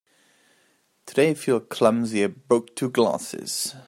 Today I feel clumsy; I broke two glasses.